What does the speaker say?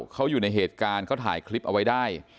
เขาอยู่ในเหตุการณ์เขาถ่ายคลิปเอาไว้ได้